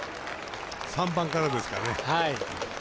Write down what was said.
３番からですからね。